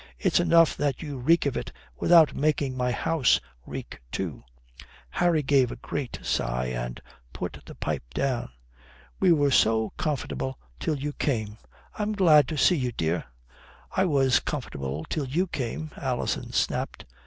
It's enough that you reek of it without making my house reek too." Harry gave a great sigh and put the pipe down. "We were so comfortable till you came. I am glad to see you, dear." "I was comfortable till you came." Alison snapped.